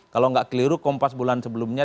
kalau nggak keliru kompas bulan sebelumnya